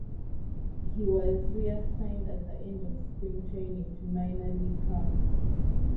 He was reassigned at the end of Spring Training to minor league camp.